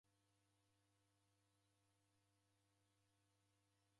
Ogh'ende kimonu